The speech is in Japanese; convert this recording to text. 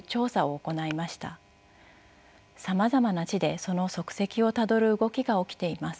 さまざまな地でその足跡をたどる動きが起きています。